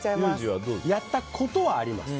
やったことはあります。